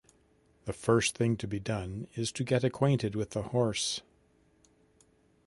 The first thing to be done is to get acquainted with the horse.